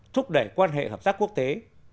thúc đẩy quan hệ hợp tác quốc tế